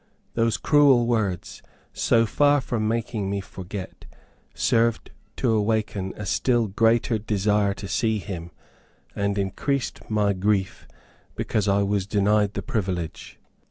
These cruel words, so far from making me forget, served to awaken a still greater desire to see him, and increased my grief because I was denied the privilege.